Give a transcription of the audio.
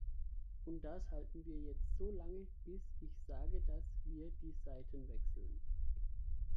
Und das halten wir jetzt so lange, bis ich sage, dass wir die Seiten wechseln.